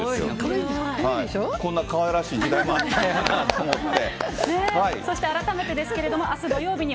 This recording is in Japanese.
こんなかわいらしい時代もあったんやと思って。